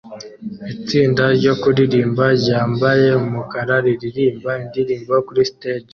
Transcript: Itsinda ryo kuririmba ryambaye umukara riririmba indirimbo kuri stage